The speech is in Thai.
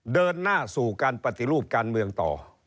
เดินหน้าสู่การปฏิรูปการเมืองต่อ